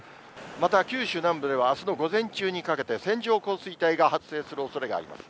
また九州南部ではあすの午前中にかけて、線状降水帯が発生するおそれがあります。